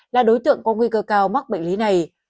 là đối tượng có nguy cơ cao mắc bệnh lý này